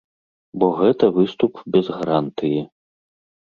Бо гэта выступ без гарантыі.